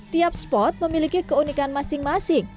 tiap spot memiliki keunikan masing masing